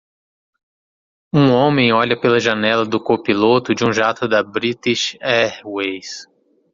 Um homem olha pela janela do copiloto de um jato da British Airways